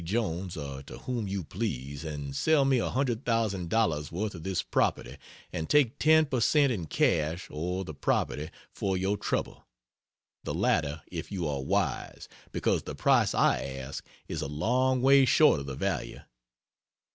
Jones or to whom you please, and sell me a hundred thousand dollars' worth of this property and take ten per cent in cash or the "property" for your trouble the latter, if you are wise, because the price I ask is a long way short of the value.